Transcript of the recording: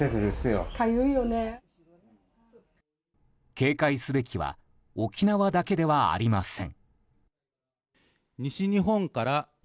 警戒すべきは沖縄だけではありません。